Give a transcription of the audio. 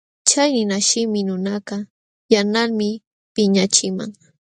Chay ninashimi nunakaq yanqalmi piñaqchiman.